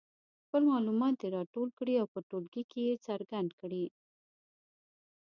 خپل معلومات دې راټول کړي او په ټولګي کې یې څرګند کړي.